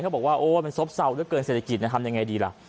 เขาบอกว่าโอ้วมันซ่อมเศรษฐกิจนะทำยังไงดีล่ะ